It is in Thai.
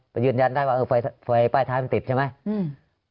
ยืนยันได้ว่าเออไฟป้ายท้ายมันติดใช่ไหมอืม